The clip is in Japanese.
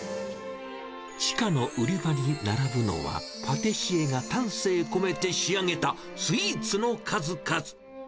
地下の売り場に並ぶのは、パティシエが丹精込めて仕上げたスイーツの数々。